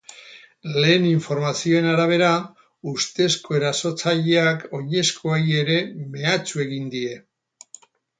Lehen informazioen arabera, ustezko erasotzaileak oinezkoei ere mehatxu egin die.